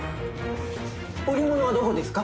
売り物はどこですか？